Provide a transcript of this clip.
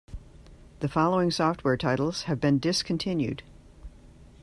The following software titles have been discontinued.